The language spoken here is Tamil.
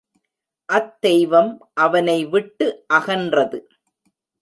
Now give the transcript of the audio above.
அத்தெய்வம் அவனை விட்டு அகன்றது.